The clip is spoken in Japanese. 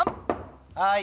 はい。